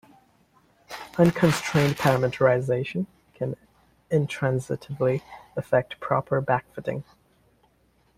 Unconstrained parameterization can intransitively affect proper backfitting.